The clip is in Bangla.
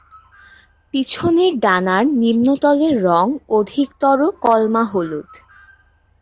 পিছনের ডানার নিম্নতলের রঙ অধিকতর কলমা-হলুদ।